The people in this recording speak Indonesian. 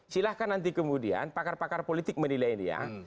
silahkan nanti kemudian pakar pakar politik menilainya